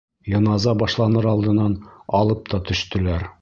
Йыназа башланыр алдынан алып та төштөләр.